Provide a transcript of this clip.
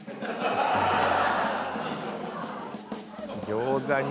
餃子に。